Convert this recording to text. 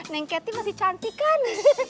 neng kety masih cantik kan